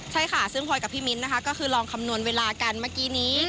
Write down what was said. ใช่ค่ะซึ่งพลอยกับพี่มิ้นนะคะก็คือลองคำนวณเวลากันเมื่อกี้นี้